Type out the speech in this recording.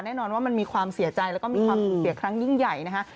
แน่นอนว่ามันมีความเสียใจแล้วก็มีความสูญเสียครั้งยิ่งใหญ่นะฮะ